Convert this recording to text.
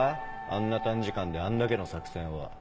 あんな短時間であんだけの作戦を。